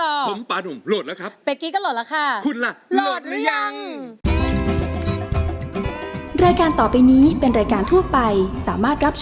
ผมปานุ่มโหลดแล้วครับ